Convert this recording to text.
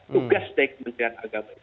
tugas dari kementerian agama